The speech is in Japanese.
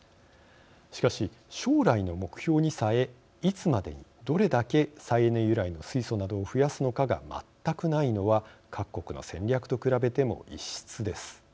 しかし、将来の目標にさえいつまでにどれだけ再エネ由来の水素などを増やすのかが全くないのは各国の戦略と比べても異質です。